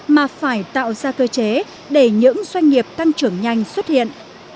mà phải tạo ra cơ chế để những doanh nghiệp tăng trưởng nhanh xuất hiện